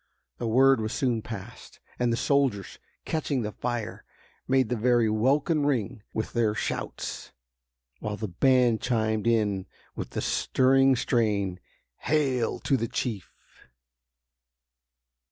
The word was soon passed, and the soldiers, catching the fire, made the very welkin ring with their shouts, while the band chimed in with the stirring strain: "Hail to the Chief!"